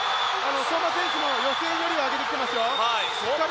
相馬選手も予選より上げてきています。